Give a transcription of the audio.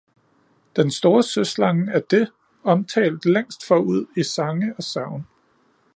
Den store søslange er det, omtalt længst forud i sange og sagn